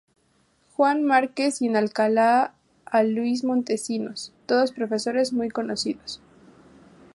Juan Márquez y en Alcalá a Luis Montesinos, todos profesores muy doctos.